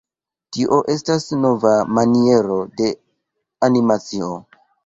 Tio estas nova maniero de animacio.